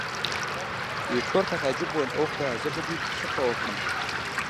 ایټور په تعجب وویل، اوه خدایه! زه به په دې څه وکړم.